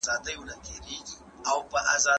استاد وويل چي ځان له ټولني څخه ګوښه کول خطرناک دي.